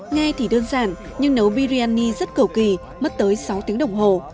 nghe thì đơn giản nhưng nấu biryani rất cầu kỳ mất tới sáu tiếng đồng hồ